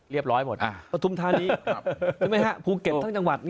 เรียบร้อยหมดปฐุมธานีภูเก็ตทั้งจังหวัด